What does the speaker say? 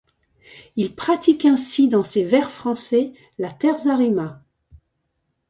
Il pratique ainsi dans ses vers français la terza rima.